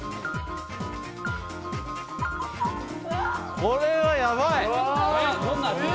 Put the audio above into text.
これはやばい。